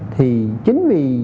thì chính vì